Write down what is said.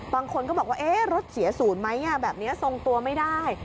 บางคนก็บอกว่ารถเสียศูนย์ไหมแบบนี้ทรงตัวไม่ได้